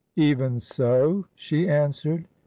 'Even so!' she answered.